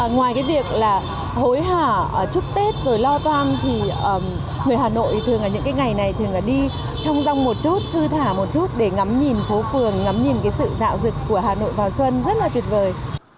ngoài cái việc là hối hả chúc tết rồi lo toan thì người hà nội thường là những cái ngày này thường là đi thông rông một chút thư thả một chút để ngắm nhìn phố phường ngắm nhìn cái sự dạo dực của hà nội vào xuân rất là tuyệt vời